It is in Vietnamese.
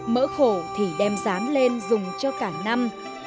mỡ khổ thì đem rán lên dùng cho cả năm